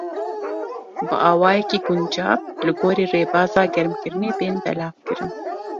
Bi awayekî guncav li gorî rêbaza germkirinê, bên belavkirin.